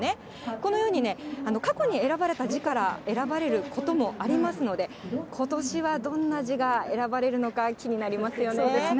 このようにね、過去に選ばれた字から選ばれることもありますので、ことしはどんな字が選ばれるのか、気になりますよね。